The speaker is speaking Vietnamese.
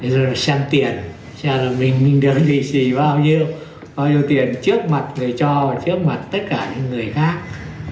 rồi xem tiền xem là mình đưa lì xì bao nhiêu bao nhiêu tiền trước mặt người cho và trước mặt tất cả những người khác